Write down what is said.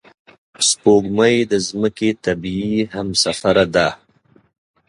سپوږمۍ د ځمکې طبیعي همسفره ده